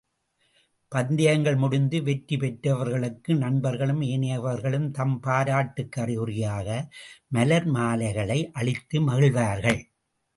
பந்தயங்கள் முடிந்து வெற்றி பெற்றவர்களுக்கு நண்பர்களும் ஏனையவர்களும் தம் பாராட்டுக்கு அறிகுறியாக மலர் மாலைகளை அளித்து மகிழ்வார்கள்.